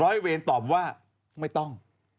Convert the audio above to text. ร้อยเวรตอบว่าไม่ต้อง